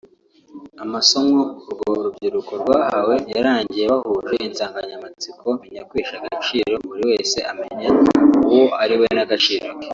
Amasomo urwo rubyiruko rwahawe yarangiye bahuje insanganyamatsiko “Menya kwihesha agaciro” buri wese amenya uwo ariwe n’agaciro ke